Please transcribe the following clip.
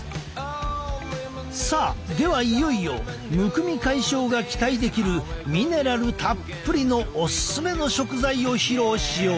さあではいよいよむくみ解消が期待できるミネラルたっぷりのオススメの食材を披露しよう！